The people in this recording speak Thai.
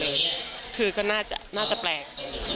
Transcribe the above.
คือก็น่าจะแปลก